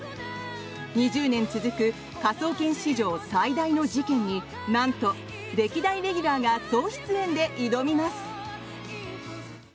２０年続く「科捜研」史上最大の事件に何と歴代レギュラーが総出演で挑みます！